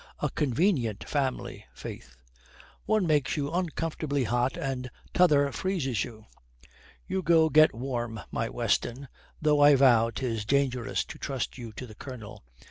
A convenient family, faith. One makes you uncomfortably hot and t'other freezes you. You go get warm, my Weston. Though I vow 'tis dangerous to trust you to the Colonel.